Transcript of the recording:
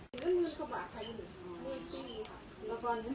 เก็บปลอดภัยกับเท่ากลุ่มที่แบบนี้